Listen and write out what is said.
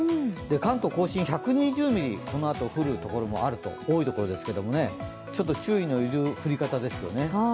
関東甲信１２０ミリ、このあと多いところですけどちょっと注意のいる降り方ですね。